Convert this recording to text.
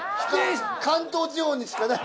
関東地方にしかない。